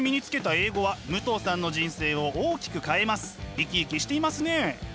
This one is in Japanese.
生き生きしていますね。